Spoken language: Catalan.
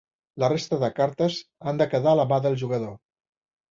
La resta de cartes han de quedar a la ma del jugador.